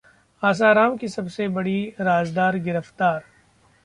आसाराम की सबसे बड़ी राजदार गिरफ्तार